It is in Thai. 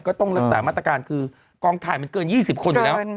ก็ต้องรักษามาตรการคือกองถ่ายมันเกิน๒๐คนอยู่แล้ว